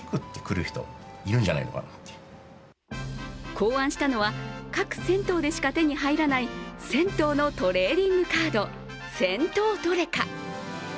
考案したのは、各銭湯でしか手に入らない銭湯のトレーディングカード、銭湯トレカ。